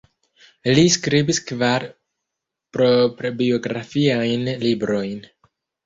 Li skribis kvar proprbiografiajn librojn.